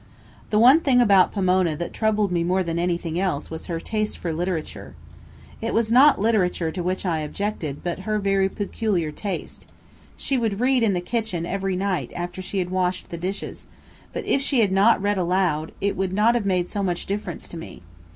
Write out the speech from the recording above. The one thing about Pomona that troubled me more than anything else was her taste for literature. It was not literature to which I objected, but her very peculiar taste. She would read in the kitchen every night after she had washed the dishes, but if she had not read aloud, it would not have made so much difference to me.